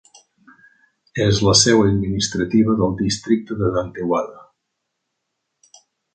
És la seu administrativa del districte de Dantewada.